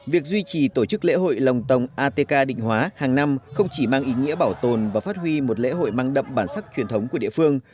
việc duy trì tổ chức lễ hội lồng tồng atk định hóa hàng năm không chỉ mang ý nghĩa bảo tồn và phát huy một lễ hội mang đậm bản sắc truyền thống của địa phương